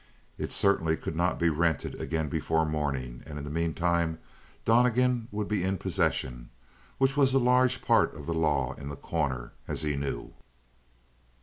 It certainly could not be rented again before morning, and in the meantime Donnegan would be in possession, which was a large part of the law in The Corner, as he knew.